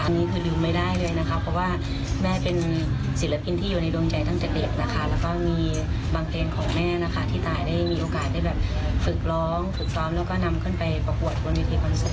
อันนี้คือลืมไม่ได้เลยนะคะเพราะว่าแม่เป็นศิลปินที่อยู่ในดวงใจตั้งแต่เด็กนะคะแล้วก็มีบางเพลงของแม่นะคะที่ตายได้มีโอกาสได้แบบฝึกร้องฝึกซ้อมแล้วก็นำขึ้นไปประกวดบนเวทีคอนเสิร์ต